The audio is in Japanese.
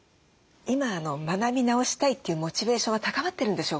今学び直したいというモチベーションは高まってるんでしょうか？